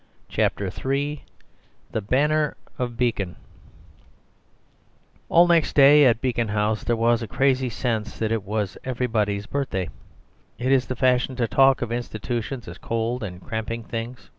Chapter III The Banner of Beacon All next day at Beacon House there was a crazy sense that it was everybody's birthday. It is the fashion to talk of institutions as cold and cramping things.